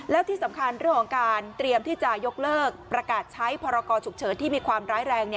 แล้วที่สำคัญเรื่องของการเตรียมที่จะยกเลิกประกาศใช้พรกรฉุกเฉินที่มีความร้ายแรง